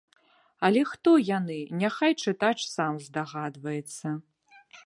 Але хто яны, няхай чытач сам здагадваецца.